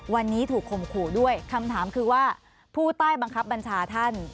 วันนี้ถูกข่มขู่ด้วยคำถามคือว่าผู้ใต้บังคับบัญชาท่าน